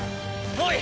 おい！